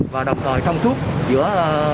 và đồng thời thông suất giữa